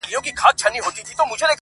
• قربانۍ ته ساده ګان له حده تېر وي -